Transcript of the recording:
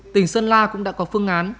tỉnh sơn la cũng đã có phương án